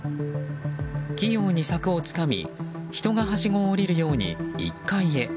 器用に柵をつかみ人がはしごを下りるように１階へ。